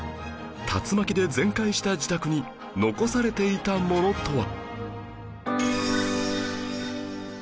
竜巻で全壊した自宅に残されていたものとは